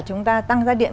chúng ta tăng giá điện